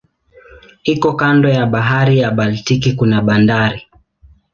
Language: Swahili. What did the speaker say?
Iko kando ya bahari ya Baltiki kuna bandari.